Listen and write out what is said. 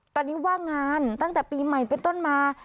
ตอนนี้ว่างงานตั้งแต่ปีใหม่เป็นต้นมา